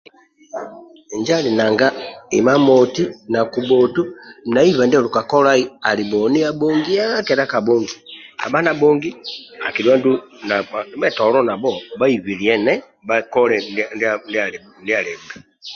Injo ali nanga imamoti na kubhotu na iba ndioli ka kolai ali bhoni abhongia kedha kabhongi kabha na bhongi akidhuwa ndulu bhakpa ndibhetolo nabho bhaibiliane bhakole ndia ndia alibe.